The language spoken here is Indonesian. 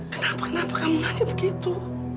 kenapa kenapa kamu ngajak begitu